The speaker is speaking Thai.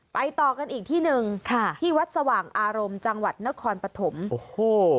ต่อกันอีกที่หนึ่งค่ะที่วัดสว่างอารมณ์จังหวัดนครปฐมโอ้โห